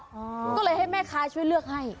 ก็เลยให้แม่ค้าช่วยเลือกให้